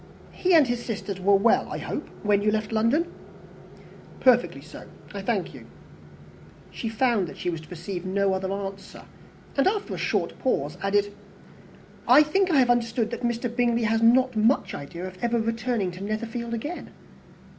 He and his sisters were well, I hope, when you left London?" "Perfectly so, I thank you." She found that she was to receive no other answer; and, after a short pause, added, "I think I have understood that Mr. Bingley has not much idea of ever returning to Netherfield again?"